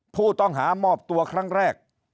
ผู้ต้องหามอบตัวครั้งแรก